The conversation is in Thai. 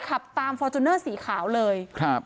ขับตามฟอร์จูเนอร์สีขาวเลยครับ